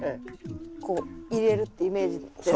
こう入れるってイメージです。